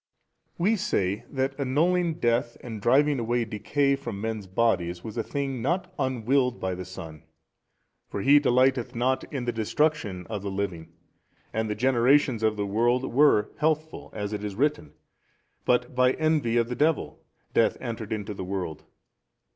A. We say that annulling death and driving away decay from men's bodies was a thing not unwilled by the Son, for He delighteth not in the destruction of the living, and the generations of the world were healthful, as it is written, but by envy of the devil death entered into the world.